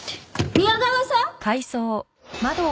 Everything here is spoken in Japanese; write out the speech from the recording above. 宮川さん！